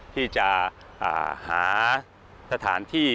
ที่จะหาสถานที่